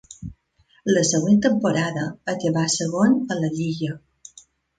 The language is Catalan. La següent temporada acabà segon a la lliga.